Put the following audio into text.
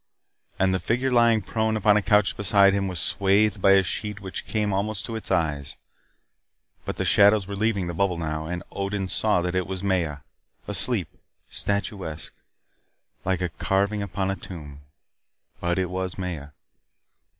And the figure lying prone upon a couch beside him was swathed by a sheet which came almost to its eyes. But the shadows were leaving the bubble now. And Odin saw that it was Maya. Asleep. Statuesque. Like a carving upon a tomb but it was Maya.